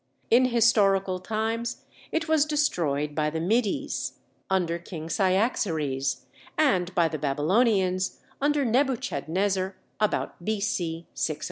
In historical times it was destroyed by the Medes, under King Cyaxares, and by the Babylonians, under Nebuchadnezzar, about B.C. 607.